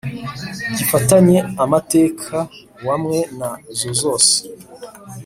Gifitanye amateka wamwe na zozose